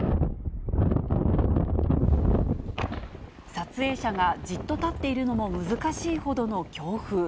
撮影者がじっと立っているのも難しいほどの強風。